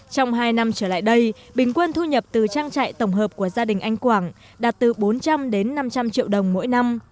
trong hai năm trở lại đây bình quân thu nhập từ trang trại tổng hợp của gia đình anh quảng đạt từ bốn trăm linh đến năm trăm linh triệu đồng mỗi năm